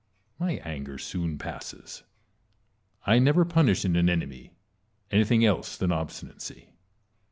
My anger soon passes. I never punish in an enemy anything else than obstinacy.